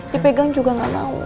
dipegang juga nggak mau